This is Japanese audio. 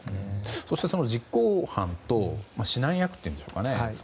そして、その実行犯と指南役というんでしょうかね